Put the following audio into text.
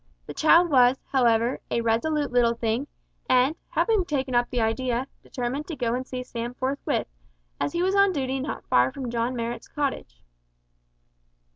The child was, however, a resolute little thing, and, having taken up the idea, determined to go and see Sam forthwith, as he was on duty not far from John Marrot's cottage.